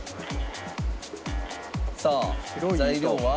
さあ材料は。